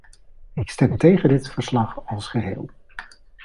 Ik stem tegen dit verslag als geheel.